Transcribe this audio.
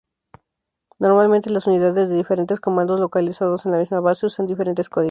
Normalmente, las unidades de diferentes comandos localizados en la misma base usan diferentes códigos.